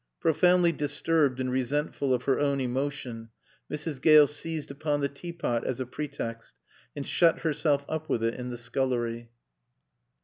Profoundly disturbed and resentful of her own emotion Mrs. Gale seized upon the tea pot as a pretext and shut herself up with it in the scullery.